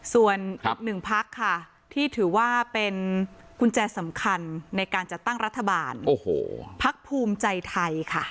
ส่วนอีกหนึ่งพักค่ะที่ถือว่าเป็นกุญแจสำคัญในการจัดตั้งรัฐบาลพักภูมิใจไทยค่ะ